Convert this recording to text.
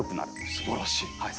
すばらしい。